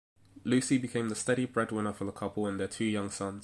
Lucy became the steady breadwinner for the couple and their two young sons.